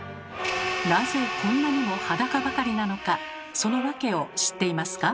なぜこんなにも裸ばかりなのかその訳を知っていますか？